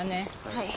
はい。